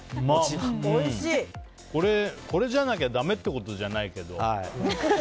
これじゃなきゃだめってことじゃないけど。